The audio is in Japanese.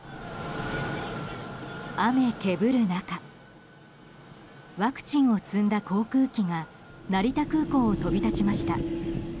雨けぶる中ワクチンを積んだ航空機が成田空港を飛び立ちました。